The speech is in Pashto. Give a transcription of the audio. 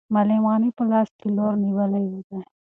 معلم غني په لاس کې لور نیولی دی.